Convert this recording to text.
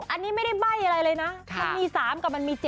อันนี้ไม่ได้ใบ้อะไรเลยนะมันมี๓กับมันมี๗